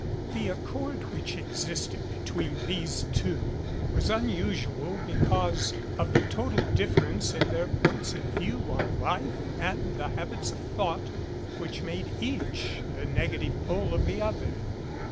70 The accord which existed between these two was un usual because of the total difference in their points of view on life and the habits of thought which made each the negative pole of the other.